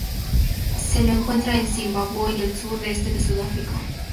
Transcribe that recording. Se lo encuentra en Zimbabue y el sur y este de Sudáfrica.